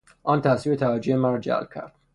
آن تصویر توجه مرا جلب کرد.